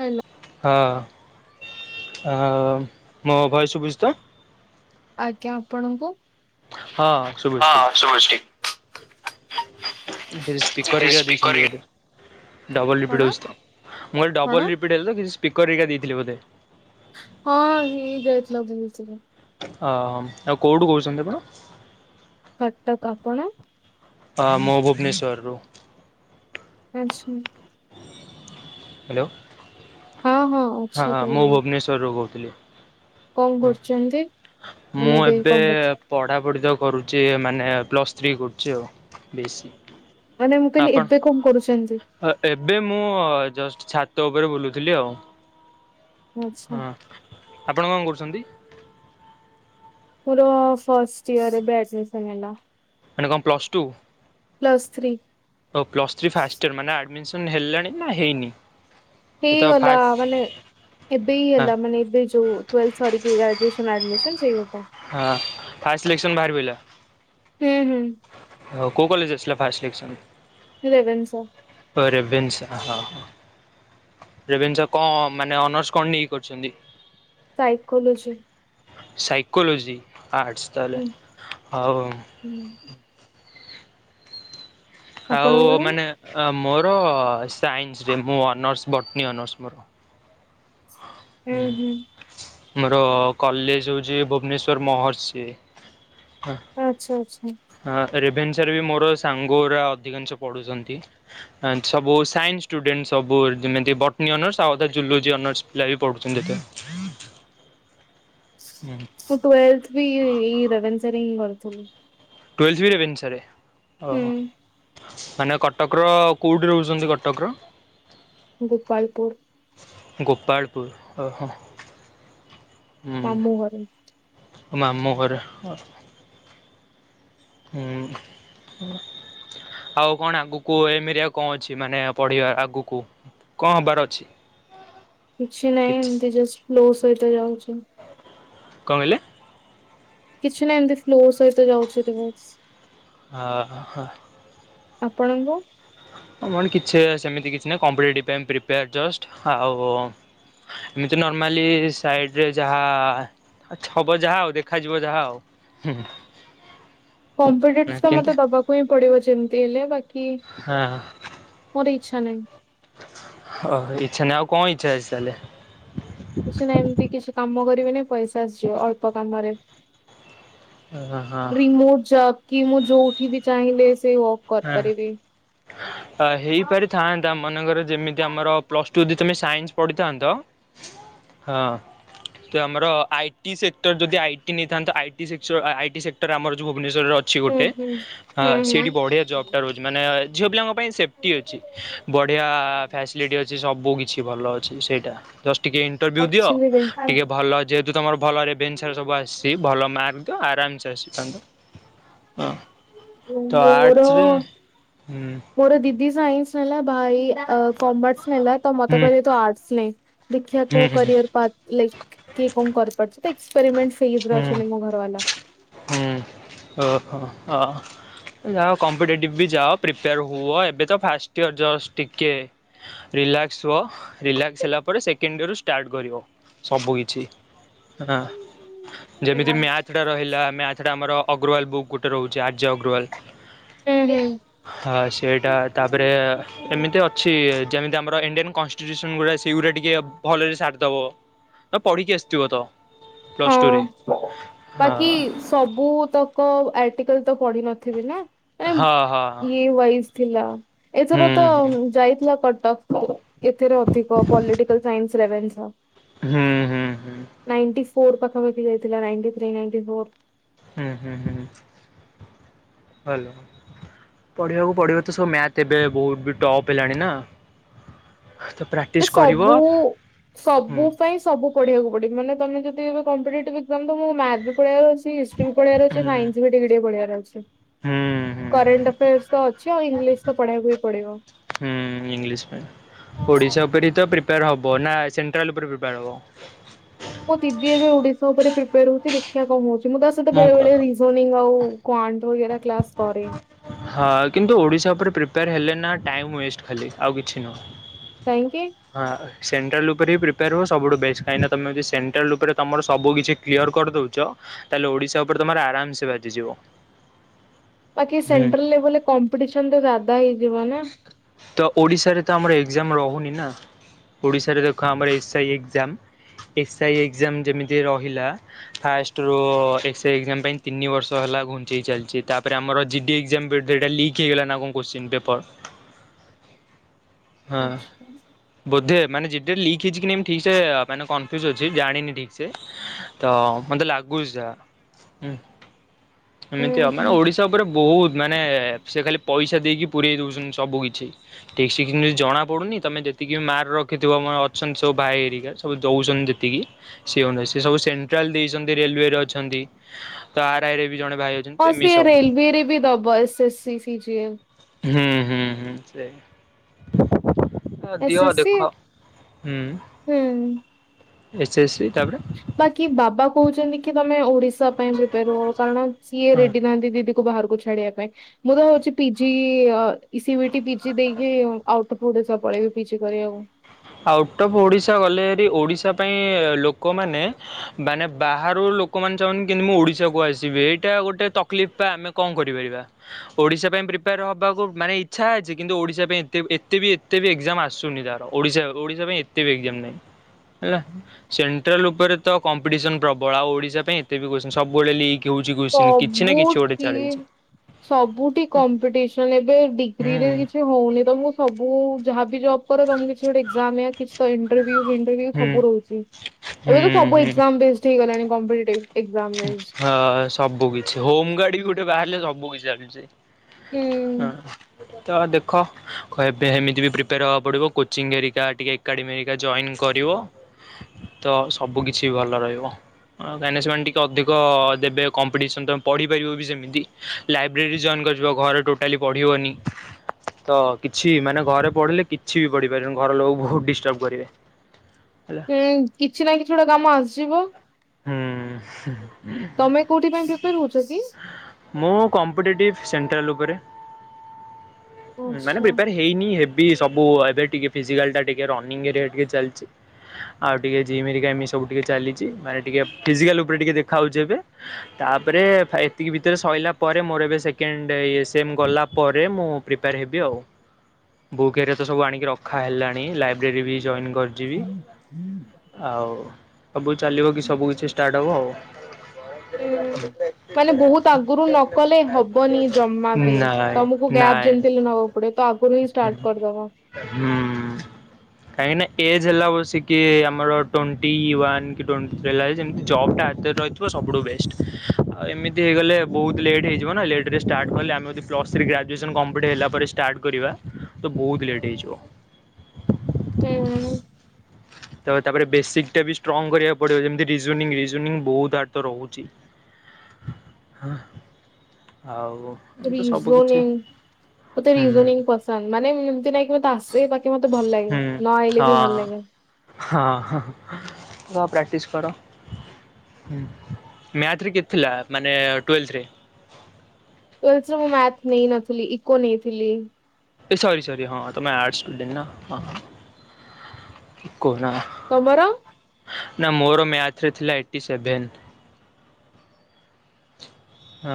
Hello ହଁ। ଆ, ମୋ ଭଏସ୍ ଶୁଭୁଛି ତ? ଆଜ୍ଞା। ଆପଣଙ୍କୁ? ହଁ ଶୁଭୁଚି ହଁ ଶୁଭୁଛି ଠିକ। ଉଁ, ଫେର୍ ଏ ସ୍ପିକର ହେକା ଦେଇଛନ୍ତି ଇ ବୋଧେ? ଡବଲ୍ କଣ ରିପିଟ୍ ହଉଛି ତ। ମୁଁ କହିଲି କଣ ଡବଲ୍ ରିପିଟ୍ ହେଲେ ତ କିଛି ସ୍ପିକର୍ ହେରିକା ଦେଇଥିଲେ ବୋଧେ? ହଁ ହେଇ ଯାଇଥିଲା ବୁଥ୍ ରେ। ଓହୋ, ଆଉ କୋଉଠୁ କହୁଛନ୍ତି ଆପଣ? କଟକ। ଆପଣ? ହଁ ମୁଁ ଭୁବନେଶ୍ୱରରୁ। ଆଚ୍ଛା। ହ୍ୟାଲୋ, ହଁ, ହଁ ମୁଁ ଭୁବନେଶ୍ୱରରୁ କହୁଥିଲି। କଣ କରୁଛନ୍ତି ହଁ ମୁଁ ମାନେ ଏବେ କଣ କରୁଛ ପଢା ପଢି ତ କରୁଚି ଏ ମାନେ ପ୍ଲସ୍ ଥ୍ରୀ କରୁଛି ଆଉ ବିଏସି। ମାନେ ମୁଁ କହିଲି ଏବେ କଣ କରୁଛନ୍ତି? ଏବେ ମୁଁ ଜଷ୍ଟ ଛାତ ଉପରେ ବୁଲୁଥିଲି ଆଉ। ଆଚ୍ଛା ହଁ ଆପଣ କଣ କରୁଛନ୍ତି? ମୋର ଫାଷ୍ଟିଇୟର ଏବେ ଆଡିମିସନ୍ ହେଲା। ମନେ କଣ ପ୍ଲଷ୍ଟୁ ପ୍ଲସ୍ ଥ୍ରୀ ଓ ପ୍ଲସଥିରି ଫାଷ୍ଟିୟର ମାନେ ଆଡିମିସନ୍ ହେଲାଣି ନା ହେଇନି? ଏ ତ ହଇଗଲା ଫାଷ୍ଟ ମାନେ ଏବେ ହଁ ହେଲା ମାନେ ଏବେ ଯଉ ଟୁଏଲେ ସରିକି ଗଜୁଏସନ୍ ଆଦିମିସନ୍ ହଁ ଫା ସିଲେକ୍ସନ ଭାରି ପାଇଲା। ହୁଁ ହୁଁ। ହଉ କେଉଁ କଲେଜ ଆସିଲା ଫାଷ୍ଟ ସିଲକ୍ସନ୍? ରେଭେନ୍ସା। ଅ ରେଭେନ୍ସା ହଁ ହଁ। ରେଭେନ୍ସା ଙ୍କ ମାନେ ଅନର୍ସ କଣ ନେଇକି କରିଚନ୍ତି? ସାଇକୋଲୋଜି। ସାଇକୋଲୋଜି ଆର୍ଟସ ତାହଲେ ହୁଁ ହଉ ହୁଁ ଆଉ ଆପଣଙ୍କର? ମାନେ ଅ ମୋର ସାଇନ୍ସରେ ମୁଁ ଅନର୍ସ ବଟନୀ ଅନର୍ସ ମୋର। ହୁଁ ହୁଁ। ମୋର କଲେଜ ହଉଚି ଭୁବନେଶ୍ଵର ମହର୍ଷି। ଆଛା ଆଛା। ରେଭେନ୍ସରେ ବି ମୋର ସାଗଙ୍ଗୁର ଅଧିକାଂଶ ପଢ଼ୁଛନ୍ତି ସବୁ ସାଇନ୍ସ ଷ୍ଟୁଡେଣ୍ଟ। ସବୁ ଯେମିତି ବଟୀ ଅନର୍ସ ଆଉ ଗୋଟେ ଯୁଲୁଜି ଅନର୍ସ। ଲାଇ ପଡୁଚନ୍ତି ତୁ ଟୁଏଲଥ ବି ରେଭେନସା ରେ ହିଁ କରୁଥିଲୁ। ଟୁଏଲଥ ବି ରେଭେନ୍ସାରେ ଓହ। ହୁଁ ମାନେ କଟକର କୋଉଟି ରହୁଚନ୍ତି କଟକର ଗୋପାଳପୁର। ଗୋପାଳପୁର ଓହ। ତା ମୁହଁରେ ଉ ମାମୁ ଘର ହ ହୁଁ। ଆଉ କଣ ଆଗୁକୁ ଏମରେ ଆଉ କଣ ଅଛି ମାନେ ପଢିବା ଆଗୁକୁ। ଙ୍କ ହବାର ଅଛି? କିଛି ନାହିଁ ଏମତି ଜଷ୍ଟ ଫ୍ଲୋ ସହିତ ଯାଉଚି। କଣ କହିଲେ? କିଛି ନାହିଁ ଏମିତି ଫ୍ଲୋ ସହିତ ଯାଉଥିଲି ବାସ ହ ହ ହ। ଆପଣୁଙ୍କୁ ଅ ମଣି କିଛି ସେମିତି କିଛି ନାହିଁ କମ୍ପେଟିଭ ପାଇଁ ପ୍ରିପେୟାର ଜଷ୍ଟ ଆଉ ଏମିତି ନର୍ମାଲି ସାଇଡରେ ଯାହା ଆଛା ହବ ଯାହା ଆଉ ଦେଖାଯିବ ଯାହା ଆଉ ହୁଁ। କମ୍ପେଟିଭସ ତ କେମତି ମତେ ଦବାକୁ ହିଁ ପଡିବ ଯେମିତି ହେଲେ କି ମୋର ଇଛା ନାଇ। ହ ଇଛା ନାହିଁ ଆଉ ଙ୍କ ଇଛା ଅଛି ତାହାଲେ ମୁଁ ସିନା ଏମିତି କିଛି କାମ କରିବିନି ପଇସା ଆସିଯିବ ଅଳ୍ପ କାମରେ। ହଁ ରିମୋଟ ଜପ କି ମୁଁ ଯୋଉଠି ବି ଚାହିଁଲେ ସେ କରିପାରିବି। ଆ ହେଇପାରିଥାନ୍ତା ମନେକର ଯେମିତି ଆମର ପ୍ଲସ ଟୁ ଦି ବର୍ଷ ସାଇନ୍ସ ପଢ଼ିଥାନ୍ତ ହଁ। ତ ଆମର ଆଇ ଟି ସେକ୍ଟର ଯଦି ଆଇ ଟି ନେଇଥାନ୍ତ I T sector I T sector ଆମର ଯୋଉ ଭୁବନେଶ୍ୱରରେ ଅଛି ହୁଁ ଗୋଟେ ହୁଁ ଆ ହୁଁ ସେଠି ହୁଁ। ବଢ଼ିଆ ଜବଟା ରହୁଛି ମାନେ ଝିଅ ପିଲାଙ୍କ ପାଇଁ ସେପଟି ଅଛି। ବଢିଆ ଫ୍ୟାସିଲିଟ ଅଛି। ସବୁ କିଛି ଭଲ ଅଛି। ସେଇଟା ଜଷ୍ଟ ଟିକେ ଇଣ୍ଟରଭି୍ୟୁ ଦିଅ। ଆକ୍ଚୁଆଲି ଦେଖ ଟିକେ ଭଲ ଯେ ଯଦି ତମର ଭଲ ରେଭେନ୍ସରୁ ସବୁ ଆସିଚି ଭଲ ମାର୍କ ଆରାମସେ ଆସିଥାନ୍ତ। ହଁ। ହୁଁ ମୋର ଶ୍ରେ ହୁଁ। ମୋର ଦିଦି ସାଇନ୍ସ ନେଲା ଭାଇ ଅ କମର୍ସ ନେଲା ତ ମତେ ହୁଁ କହିଲେ ତୁ ଆର୍ଟସ ନେ। ଦେଖିବା ହୁଁ କୋଉ ହୁଁ କରିୟର ପାଦ୍ ଲାଇକ୍ କିଏ କଣ କରିପାରୁଚି ତ ଏକ୍ସପେରିମେଣ୍ଟ ଫେବ୍ ରେ ହୁଁ ଅଛନ୍ତି ମୋ ଘର ବାଲା। ହୁଁ। ହଁ ଅ ଯାଅ କମ୍ପିଟେଟିଭ ବି ଯାଅ ପ୍ରିପୋର ହୁଅ। ଏବେ ତ ଫାଷ୍ଟିୟର ଚଷ୍ଟ ଟିକେ ରି ରିଲାକ୍ସ ହୁଅ ରିଲାକ୍ସ ହେଲା ପରେ ସେକେଣ୍ଡିୟରରୁ ଷ୍ଟାର୍ଟ କରିବ ସବୁ କିଛି। ହାଁ। ଯେମିତି ହୁଁ ମ୍ୟାଥଟା ରହିଲା ମ୍ୟାଥଟା ଆମର ଅଗ୍ରୱାଲ ବୁକ୍ ଗୋଟେ ରହୁଚି ଆର୍ଯ୍ୟ ଅଗ୍ରୱାଲ। ହୁଁ। ହଁ ସେଇଟା ତା ପରେ ଏମିତି ଅଛି ଯେମିତି ଆମର ଇଣ୍ଡିଆନ କନ୍ଷ୍ଟିଟୁସନ ଗୁଡା ସେଇଗୁଡା ଟିକେ ଭଲରେ ସାରିଦେବ। ତ ପଢିକି ଆସିଥିବ ତ? ପ୍ଲସ ଟୁରେ ହଁ ବାକି ହଁ ସବୁ ତକ ଆର୍ଟିକିଲ୍ ତ ପଢ ନଥିବି ନା ହଁ ହଁ। ଏମ ଇଏ ୱାଇଜ ଥିଲା। ହୁଁ ଏଥର ତ ଯାଇଥିଲା କଟ କଟଫ ଏଥେରେ ଅଧିକ ପଲିଟିକାଲ ସାଇନ୍ସ ରେଭେନ୍ସା। ହୁଁ ହୁଁ ହୁଁ ହୁଁ ନାଇଣ୍ଟିଫୋର୍ ପାଖପାଖି ଯାଇଥିଲା ନାଇଣ୍ଟି ଥ୍ରୀ ନାଇଣ୍ଟିଫୋର୍। ହୁଁ ହୁଁ ହୁଁ ହାଲୋ। ପଢିବାକୁ ପଢିବ ତ ସବୁ ମ୍ୟାଥ ଏବେ ବହୁତ ବି ଟପ ହେଲାଣି ନାଁ? ଏ ସବୁ ହୁଁ ସବୁ ପାଇଁ ସବୁ ପଢିବାକୁ ପଡିବ। ମାନେ ତମେ ଯଦି ଏବେ କମ୍ପିଟେଟିଭ୍ ଏକ୍ଜାମ୍ ତମକୁ ମ୍ୟାଥ ବି ପଢ଼ିବାର ଅଛି। ହିଷ୍ଟ୍ରି ବି ପଢ଼ିବାର ଅଛି। ହୁଁ ସାଇନ୍ସ ବି ଟିକେ ଟିକେ ପଢ଼ିବାର ଅଛି। ହୁଁ ହୁଁ। କରେଣ୍ଟଆଫେୟସ୍ ତ ଅଛି ଆଉ ଇଂଲିଶ ତ ପଢେଇବାକୁ ହି ପଡିବ। ହୁଁ ଇଂଲିଶ ପାଇଁ ଓଡିଶା ଉପରେ ହି ତ ପ୍ରିପେୟାର ହବ ନା ସେଣ୍ଟ୍ରାଲ ଉପରେ ପ୍ରିପେୟାର ହବ? ମୋ ଦିଦି ଏବେ ଓଡିଶା ଉପରେ ପ୍ରିପେୟାଡ୍ ହଉଚି ଦେଖିବା କଣ ହଉଚ୍? ମୁଁ ତା ସହିତ ବେଳେ ମଙ୍କ ବେଳେ ରିଯୋନୀଙ୍ଗ ଆଉ କ୍ୱାନ୍ଟ ବଗେରା କ୍ଲାସ୍ କରେ। ହଁ କିନ୍ତୁ ଓଡ଼ିଶା ଉପରେ ପ୍ରିପେୟାର ହେଲେ ନା ଟାଇମ ୱଷ୍ଟ ଖାଲି ଆଉ କିଛି ନୁହଁ। କାହିଁକି? ହଁ ସେଣ୍ଟ୍ରାଲ ଉପରେ ହି ପ୍ରିପେୟାର ହୁଅ ସବୁଠୁ ବେ। କାହିଁ ନା ତମେ ଯଦି ସେଣ୍ଟ୍ରାଲ ଉପରେ ତମର ସବୁ କିଛି କ୍ଲିୟର କରିଦଉଚ। ତାହେଲେ ଓଡିଶା ଉପରେ ତମର ଆରାମ ସେ ବାଜିଯିବ। ବାକି ହୁଁ ସେଣ୍ଟ୍ରାଲ ଲେବୁଲ୍ ରେ କମ୍ପିଟିସନ୍ ତ ଜାଦା ହେଇଯିବ ନା? ତ ଓଡିଶାରେ ତ ଆମର ଏକ୍ଜାମ ରହୁନି ନା ଓଡିଶାରେ ଦେଖ ଆମର S I exam S I exam ଯେମିତି ରହିଲା। ଫାଷ୍ଟରୁୁ ଏସ୍ ଆଇ ଏକ୍ଜାମ ପାଇଁ ତିନି ବର୍ଷ ହେଲ ଲା ଘୁଞ୍ଚେଇ ଚାଲିଚି ତା ତା ପରେ ଆମର ଜିଡି ଏକ୍ଜାମ୍ ବି ସେଟା ଲିକ୍ ହେଇଗଲା ନା କଣ କୋତ୍ସିନ ପେପର୍? ହଁ ହୁଁ ବୋଧେ ମାନେ ଜିଡି ରେ ଲିକ୍ ହେଇଚି କି ନାହିଁ ମୁଁ ଠିକ ସେ ଆ ମାନେ କନଫ୍ୟୁଜ୍ ଅଛି ଜାଣିନି ଠିକ୍ ସେ। ତ ମତେ ଲାଗୁ ଗୁଜା ଉଁ ଏମିତି ଆଉ ମାନେ ହୁଁ ଓଡିଶା ଉପରେ ବହୁତ ମାନେ ସେ ଖାଲି ପଇସା ଦେଇକି ପୁରେଇ ଦଉଚନ୍ତି ସବୁ କିଛ। ଛି ଠିକ ସେ କିମତି ଜଣା ପଡୁନି ତମେ ଯେତିକି ମାର ରଖିଥିବ ମଣ ଅଛନ୍ତି ସବୁ ଭାଇ ଏରିକା ସବୁ ଦଉ କହୁଚନ୍ତି ଯେତିକି ସେ ଅନୁଯାୟୀ ସେ ସବୁ ସେଣ୍ଟ୍ରାଲ ଦେଇଚନ୍ତି ରେଲୱେରେ ଅଛନ୍ତି। ତ ଆର୍ ଆର୍ ବି ବି ଜଣେ ଭାଇ ଅଛନ୍ତି ହଁ ତ ଏମିତି ସିଏ ସବୁ। ରେଲୱେରେ ବି ଦବ S S C C G L. ହୁଁ ହୁଁ ହୁଁ ସେ ଏସ୍ ଦିଅ ଏସ୍ ସି ଦେଖ ହୁଁ ହୁଁ। ଏସ ଏସି ବାକି ବାବା କହୁଛନ୍ତି କି ତମେ ଓଡିଶା ପ୍ରିପେୟାର ହୁଅ କାରଣ ସିଏ ହଁ। ରେଡି ନାହାନ୍ତି ଦିଦି କୁ ବାହାରକୁ ଛାଡି ବା ପାଇଁ ମୁଁ ଭାବୁଛି ପିଜି ଇସି ବିଟି ପିଜି ଦେଇକି ଆଉଟୁ ସବ୍ ପଳେଇବି ପିଜି କରିବାକୁ। ଆଉଟ୍ ଅଫ୍ ଓଡିଶା ଗଲେ ହେରି ଓଡିଶା ପାଇଁ ଲୋକମାନେ ମାନେ ବାହରୁ ଲୋକ ମାନେ ଚାହାନ୍ ମୁଁ ଓଡିଶାକୁ ଆସିବି ଏଇଟା ଗୋଟେ ତକ ଲିଫ ବା ଆମେ କଣ କରିପାରିବା ଓଡ଼ିଶା ପାଇଁ ପ୍ରିପେୟାର ହେବାକୁ ମାନେ ଇଚ୍ଛା ଅଛି। କିନ୍ତୁ ଓଡ଼ିଶା କୁ ଏତେ ବି ଏତେ ବି ଏକ୍ସାଁ ଆସୁନି ଜାର ଓଡ଼ିଶା ଓଡ଼ିଶା ପାଇଁ ଏତେ ବି ଏକ୍ଜମ୍ ନାଇଁ। ହେଲା ସେଣ୍ଟ୍ରାଲ ଉପରେ ତ କମ୍ପିଟିସନ ପ୍ରବଳ ଆଉ ଓଡିଶା ପାଇଁ ଏତେ ବି କ୍ୱିଶ୍ରୀନି ସବୁବେଳେ ଲି ସବୁ ଠିି ସବୁଠି କମ୍ପିଟିସନ ଏବେ ହୁଁ ଡିଗ୍ରୀରେ କିଛି ହଉନି ତ ମୁଁ ସବୁ ଯାହାବି ଜବ କର ତମକୁ କିଛି ଏକଯାମ୍ କିଛି ତ ଇଣ୍ଟେଭୁ ପିୟୁପୁ ଇଣ୍ଟଭ୍ୟୁ ହୁଁ ସବୁ ରହୁଛି। ହୁଁ ଏବେ ତ ସବୁ ହୁଁ ଏକ୍ସାମ୍ ବେଷ୍ଟ ହେଇଗଲଣି କମ୍ପିଟେଟିପି। ହଁ ସବୁ କିଛି ହୋମ ଗାର୍ଡ ବି ଗୋଟେ ବାହାରିଲେ ସବୁ କିଛି ଚାଲୁଛି। ହୁଁ ହଁ। ତ ଦେଖ ଏମିତି ବି ପ୍ରିପେୟାର ହେବାକୁ ପଡ଼ିବ କୋଚିଂ ହେରିକା ଟିକେ ଏକାଡେମୀ ହେରିକା ଜଏନ୍ କର କରିବ ତ ସବୁ କିଛି ଭଲ ରହିବ କାହିଁକି ନା ସେ ଟି ଅଧିକ ଦେବେ କମ୍ପିଟିସନ ତମେ ପଢ଼ିପାରିବ ବି ସେମିତି ଲାଇବ୍ରେରୀ ଜଏନ୍ କରିିବ ଘରେ ଟୋଟାଲି ପଢ଼ିବନି ତ କିଛି ମାନେ ଘରେ ପଢିଲେ କିଛି ବି ପଢିପାରିବନି ଘର ଲୋକ ବହୁତ ଡିଷ୍ଟର୍ବ କରିବେ। ହେଲା। ଉଁ କିଛି ନା କିଛି ଗୋଟେ କାମ ଆସିଯିବ। ହୁଁ। ତମେ କୋଉଥି ପାଇଁ ପ୍ରିପେୟାର ହଉଛ କି? ମୁଁ କମ୍ପିଟେଟିପି ସେଣ୍ଟ୍ରାଲ ପରେ ମାନେ ଆଚ୍ଛା ପ୍ରିପ୍ରାର ହେଇନି ହେବ ବି ସବୁ ଏବେ ଟିକେ ଫିଜିକାଲ ଟା ଟିକେ ରନିଂ ଟିକେ ଚାଲିଛି। ଆଉ ଟିକେ ଯିମି ହେରିକିଆ ସବୁ ଟିକେ ଚାଲିଛି ମାନେ ଟିକେ ଫିଜିକାଲ ଉପରେ ଟିକେ ଦେଖା ହଉଛି ଏବେ ତାପରେ ଏତିକି ଭିତରେ ସରିଲା ପରେ ମୋର ଏବେ ସେକେଣ୍ଡ ଏଣ୍ଡ ଇଏ ସିଏ ଗଲା ପରେ ମୁ ପ୍ରିପ୍ରାର ହେବି ଆଉ। ବୁକ୍ ଏରିଆ ତ ସବୁ ଆଣିକି ରଖା ହେଲାଣି ଲାଇବ୍ରେରୀ ବି ଜ କରିଯିବି ଆଉ ସବୁଚାଲି ସବୁ କିିଛି ଷ୍ଟାର୍ଟ ହେବ ଆଉ। ହୁଁ ମାନେ ବହୁତ ଆଗରୁ ନ କଲେ ହବନି ଜମା ବି ନାଇଁ ତମକୁ କ୍ୟାବ୍ ନାଇଁ ଯେମିତି ହେଲେ ନେବାକୁ ପଡିବ ତା ଆଗରୁ ହିଁ ଷ୍ଟାର୍ଟ କରିଦବ। ହୁଁ କହିଁକି ନା ଏଜ୍ ହେଲା ବସିକି ଆମର ଟ୍ୱେଣ୍ଟି ୱାନ୍ କି ଟ୍ୱେ ରେଲାଇ ଜେମିତି ଜବଟା ହାତରେ ରହିଥିବ ସବୁଠୁ ବେଷ୍ଟ ଆଉ ଏମିତି ହେଇଗଲେ ବହୁତ ଲେଟ୍ ହେଇଯିବ ନା ଲେ ଲେଟେ ରେ ଷ୍ଟାର୍ଟ କଲେ ଆମେ ଯଦି ପ୍ଲ ଥ୍ରୀ ଗ୍ରଜୁଏସନ୍ କମ୍ପ୍ଟ୍ ହେଲା ପରେ ଷ୍ଟାର୍ଟ କରିବା ତ ବହୁତ ଲେଟ ହେଇଯିବ। ହୁଁ ତା ତାପରେ ବେସିକ ଟା ବି ଷ୍ଟ୍ରଙ୍ଗ କରିବାକୁ ପଡିବ ଯେମିତି ରିଯୋଇଂ ରିଯୋନିଙ୍ଗ ବହୁତ ହାଡ଼ ତ ରହୁଛି। ଆଉ ଏମିତି ତ ସବୁ କିିଛି ରିଯୋନୀଙ୍ଗି ମତେ ହୁଁ ରିଯୋନିଙ୍ଗି ପସନ୍ଦ ମାନେ ଏମତି ନାଇଁକି ମତେ ଆସେ ବାକି ମତେ ଭଲ ଲାଗେ ନ ଆଇଲେ ବି ଭଲ ଲାଗେ। ହଁ ହଁ ହଁ ପ୍ରଟିଶି କର। ମ୍ୟାଥ ରେ କେତେ ଥିଲା ମାନେ ଟୁଏଲେଥ ରେ। ଟୁଏଲଥ ରେ ମୁଁ ମାଥ୍ ନେଇ ନଥିଲି ଇକୋ ନେଇଥିଲି। ସରି ସରି ହଁ ତ ଆର୍ଟାସ ଷ୍ଟୁଡେଣ୍ଟ ନା କ ତମର? ନା ମୋର ମ୍ୟାଥାଏରେ ଥିଲା ଏଟି ସେଭେନ।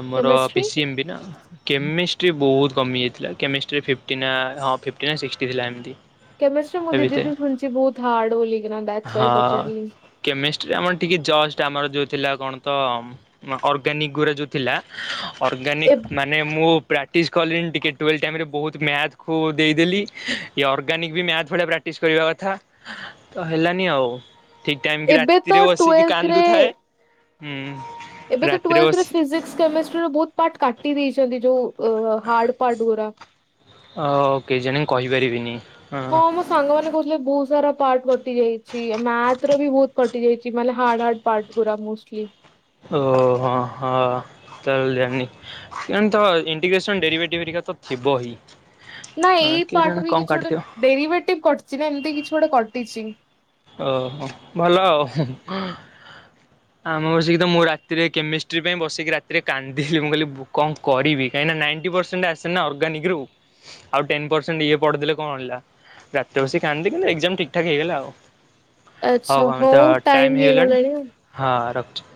ଆମର P chemistry C M B ନା କେମିଷ୍ଟ୍ରି ବହୁତ। କମିଯାଇଥିଲା କେମିଷ୍ଟ୍ରିରେ ଫିଫ୍ଟିନା ହଁ ଫିଫ୍ଟିନା ସିକ୍ସଟି ଥିଲା ଏମିତି। କେମିଷ୍ଟ୍ରି ମୁଁ ତା ଭିତରେ ଦିଦିଥିଲ ଶୁଣିଚଛି ବହୁତ ହାର୍ଡ ବୋଲି ଦାସୱାଇଥ ପଚାରିଲି। ଯେମ୍ ଟିକେ ଜଷ୍ଟ ଆମର ଯୋଉ ଥିଲା କଣ ତ ଅର୍ଗାନିକ ଗୁରୋ ଯୋଉ ଥିଲା। ଅର୍ଗାନିକ ଏବ୍ ମାନେ ମୁଁ। ପ୍ରାକ୍ଟିସ କଲିଣି ଟିକେ ଟୁଏଲ୍ ଟାଇମ୍ ରେ ବହୁତ ମ୍ୟାଥ ଦେଇଦେଲି ଅର୍ଗାନିକ ବି ମ୍ୟାଥ ଭଳିଆ ପ୍ରାଟିସ୍କ ପ୍ରାଟିସ କରିବା କଥା ତ ହେଲାନି ଆଉ। ଠିକ୍ ଟାଇମ୍ କି ଏବେ ତ ରାତିରେ ବସିକି ଟୁଏଲ୍ଥରେ କାନ୍ଦୁଥାଏ ହୁଁ। ଏବେ ତ ରାତିରେ ଟୁଏଲ୍ଥ ରେ ବସି ଫିିକସ କେମିଷ୍ଟି ବହୁତ ପାର୍ କାଟି ଦେଇଛନ୍ତି ଯୋଉ ଅ ହାଡ଼ ପାଟଗୁରା। ଓ କେହିଜାଣି କହିପାରିବିନି। ହଁ ମୋ ସାଙ୍ଗ ମାନେ କହୁଥିଲେ ବହୁତ ସାରା ପାର୍ କଟି ଯାଇଛି ମ୍ୟାଥ ର ବି ବହୁତ କଟି ଯାଇଛି ମାନେ ହାର୍ଡ ହାର୍ ପାର୍ ପାଟ ରା ମୋଷ୍ଟଲ୍ଲୀ। ଓ ହୋ ହଁ ଚାଲିଲାଣିି। ତେଣିତ ଇଟିଗ୍ରେସନ ଡେରି ଭେଟି ଭରିକା ତ ଥିବ ହିଁ ନା ଏଇ ପାଟ କେଜାଣି ବି କଣ କିଛି ଗୋଟେ କାଟିଥିବ। ଡେରିଭେଟିଭ କଟିଛି ନା ଏମିତି କିଛି ଗୋଟେ କଟିଛି। ଓହୋ ଭଲ ଆଉ। ଆମ ବସିକି ତ ମୁଁ ରାତିରେ କେମିଷ୍ଟ୍ରି ପାଇଁ ବସିକି ରାତିରେ କାନ୍ଦିଲି ମୁଁ କହିଲି ବୁ କଣ କରିବି। କାଇଁ ନାଇଣ୍ଟ ପରସେଣ୍ଟ ଆସେ ନା ଅର୍ଗାନିକରୁ ଆଉ ଟେନ ପରସେଣ୍ଟ ଇଏ ପଡିଦେଲେ କଣ ହେଲା। ରାତିରେ ବସିକି କାନ୍ଦିଲୁ ଏକ୍ସଜାମ ଠିକ୍ ଠାକ୍ ହେଇଗଲା ଆଉ। ଆଚ୍ଛା ହୋଉ ଆମେ ତ ହଉ ଟାଇମ ଟାଇମ୍ ହେଇଗଲାଣି ଆଉ। ହଁ ରଖଛୁ।